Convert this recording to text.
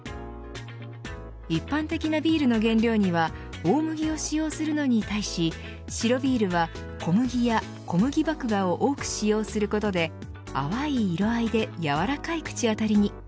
一般的なビールの原料には大麦を使用するのに対し白ビールは小麦や小麦麦芽を多く使用することで淡い色合いでやわらかい口当たりに。